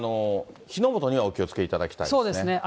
火の元にはお気をつけいただきたいと思いますね。